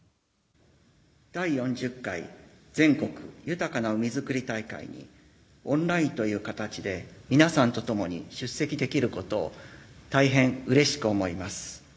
第四十回全国豊かな海づくり大会にオンラインという形で皆さんと共に出席できることを大変にうれしく思います。